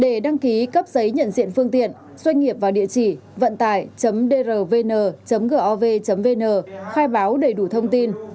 để đăng ký cấp giấy nhận diện phương tiện doanh nghiệp vào địa chỉ vận tải drvn gov vn khai báo đầy đủ thông tin